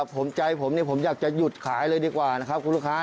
ผมใจผมผมอยากจะหยุดขายเลยดีกว่านะครับคุณลูกค้า